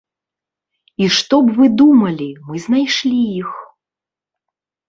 І што б вы думалі, мы знайшлі іх.